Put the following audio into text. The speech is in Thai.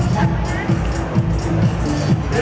ว้าวว้าวว้าวว้าวว้าว